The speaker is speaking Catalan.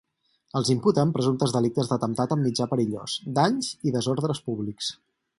Els imputen presumptes delictes d’atemptat amb mitjà perillós, danys i desordres públics.